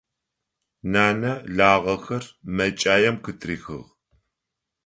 Нанэ лагъэхэр мэкӀаем къытрихыгъ.